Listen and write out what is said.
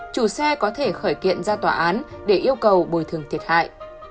chủ xe có thể khởi kiện ra tòa án để yêu cầu bồi thường thiệt hại